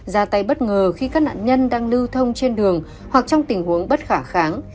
ra tay bất ngờ khi các nạn nhân đang lưu thông trên đường hoặc trong tình huống bất khả kháng